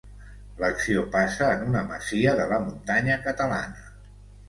L'acció passa en una masia de la muntanya catalana.